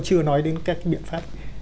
chưa nói đến các cái biện pháp